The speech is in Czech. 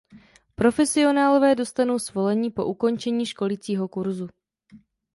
Profesionálové dostanou svolení po ukončení školícího kurzu.